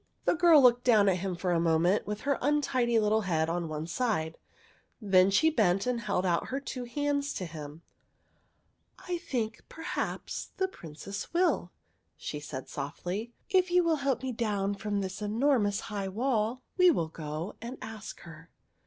" The girl looked down at him for a moment, with her untidy little head on one side. Then she bent and held out her two hands to him. " I think, perhaps, the Princess will," she said softly, " If you will help me down from this enormous high wall, we will go and ask her."